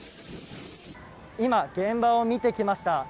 今、現場を見てきました。